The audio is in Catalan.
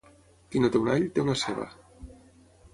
Qui no té un all, té una ceba